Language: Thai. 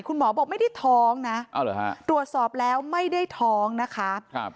คุณหมอบอกไม่ได้ท้องนะตรวจสอบแล้วไม่ได้ท้องนะคะ